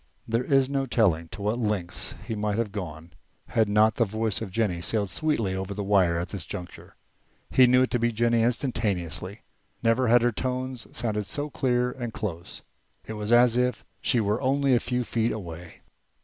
There is no telling to what lengths he might have gone had not the voice of Jennie sailed sweetly over the wire at this juncture. He knew it to be Jennie instantaneously; never had her tones sounded so clear and close. It was as if she were only a few feet away.